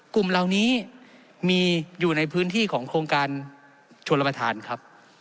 กลุ่มเหล่านี้มีอยู่ในพื้นที่ของโครงการชนรับประทานครับ